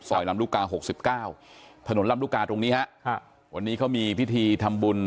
ลำลูกกา๖๙ถนนลำลูกกาตรงนี้ฮะวันนี้เขามีพิธีทำบุญ